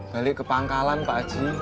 balik ke pangkalan pak haji